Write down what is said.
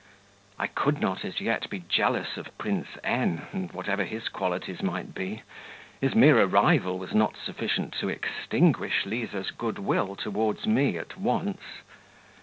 I could not as yet be jealous of Prince N., and whatever his qualities might be, his mere arrival was not sufficient to extinguish Liza's good will towards me at once....